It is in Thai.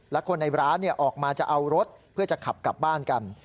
และคนในร้านออกมาจะเอารถเพื่อจะขับกลับบ้านกัน